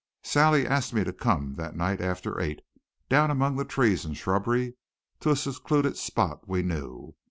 Sally asked me to come that night after eight, down among the trees and shrubbery, to a secluded spot we knew.